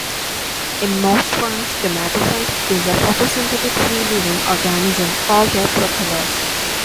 In most ferns, gametophyte is a photosynthetic free living organism called a prothallus.